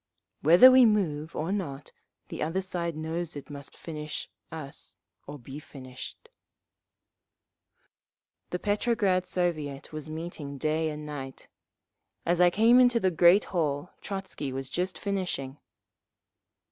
"Whether we move or not the other side knows it must finish us or be finished…." The Petrograd Soviet was meeting day and night. As I came into the great hall Trotzky was just finishing.